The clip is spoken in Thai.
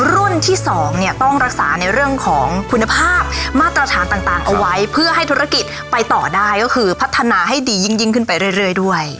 รุ่นที่๒เนี่ยต้องรักษาในเรื่องของคุณภาพมาตรฐานต่างเอาไว้เพื่อให้ธุรกิจไปต่อได้ก็คือพัฒนาให้ดียิ่งขึ้นไปเรื่อยด้วย